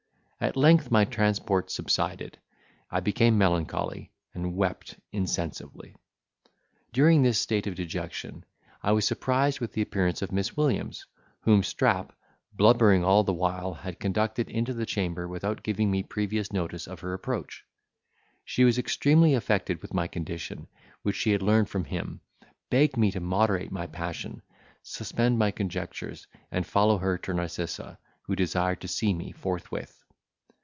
At length my transport subsided, I became melancholy, and wept insensibly. During this state of dejection, I was surprised with the appearance of Miss Williams, whom Strap, blubbering all the while, had conducted into the chamber without giving me previous notice of her approach. She was extremely affected with my condition, which she had learned from him, begged me to moderate my passion, suspend my conjectures, and follow her to Narcissa, who desired to see me forthwith.